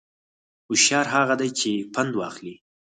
هوشیار هغه دی چې پند واخلي